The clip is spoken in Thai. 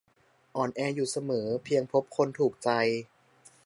"อ่อนแออยู่เสมอ เพียงพบคนถูกใจ"